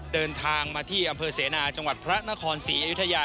เดินทางมาที่อำเภอเสนาจังหวัดพระนครศรีอยุธยา